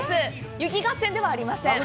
雪合戦ではありません。